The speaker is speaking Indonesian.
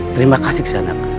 terima kasih kesanak